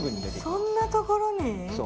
そんなところに？